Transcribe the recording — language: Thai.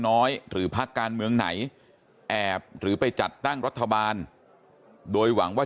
หรือพักการเมืองไหนแอบหรือไปจัดตั้งรัฐบาลโดยหวังว่า